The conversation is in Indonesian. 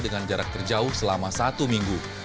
dengan jarak terjauh selama satu minggu